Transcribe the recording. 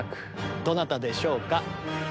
どなたでしょうか？